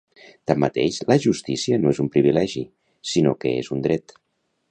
Tanmateix la justícia no és un privilegi, sinó que és un dret.